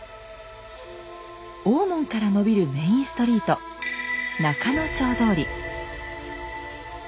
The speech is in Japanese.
大門から延びるメインストリート仲之町通り。